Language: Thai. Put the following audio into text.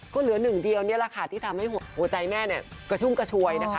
ก็เหลือหนึ่งเดียวที่ทำให้หัวใจแม่เนี่ยกระชุ้งกระชวยนะคะ